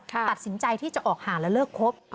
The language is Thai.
ตัดสินใจที่จะออกห่างแล้วเลิกครบ